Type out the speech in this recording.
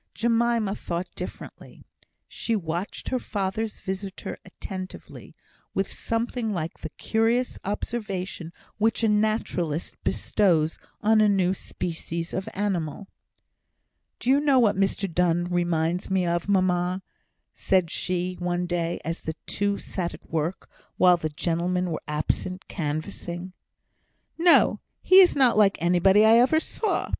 Jemima thought differently. She watched her father's visitor attentively, with something like the curious observation which a naturalist bestows on a new species of animal. "Do you know what Mr Donne reminds me of, mamma?" said she, one day, as the two sat at work, while the gentlemen were absent canvassing. "No! he is not like anybody I ever saw.